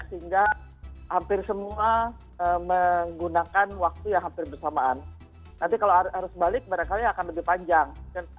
sehingga hampir semua menggunakan waktu yang hampir bersamaan nanti kalau arus balik barangkali akan lebih panjang